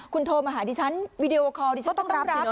คุณโทรมาหาดิฉันวีดีโอคอลดิฉันต้องรับ